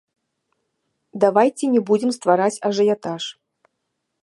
Давайце не будзем ствараць ажыятаж.